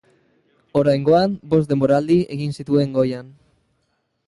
Oraingoan bost denboraldi egin zituen goian.